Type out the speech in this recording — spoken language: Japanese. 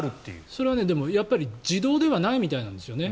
それはでも、やっぱり自動ではないみたいなんですよね